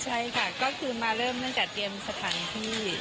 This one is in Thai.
ใช่ค่ะก็คือมาเริ่มตั้งแต่เตรียมสถานที่